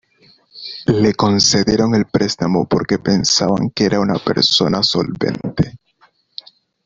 Le concedieron el préstamo porque pensaban que era una persona solvente.